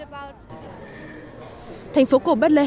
thành phố cổ bethlehem là một trong những địa danh cổ đã có từ khi tôi đến đây